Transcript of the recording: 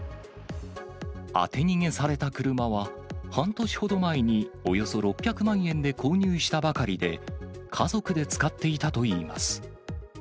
当て逃げされた車は、半年ほど前におよそ６００万円で購入したばかりで、家族で使っていたといいます。